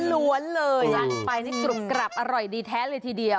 ล้วนเลยสั่งไปนี่กรุบกรับอร่อยดีแท้เลยทีเดียว